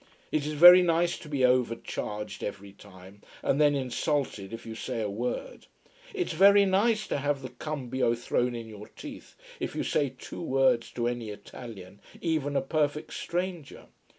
It is very nice to be overcharged every time, and then insulted if you say a word. It's very nice to have the cambio thrown in your teeth, if you say two words to any Italian, even a perfect stranger.